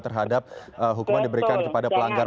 terhadap hukuman diberikan kepada pelanggar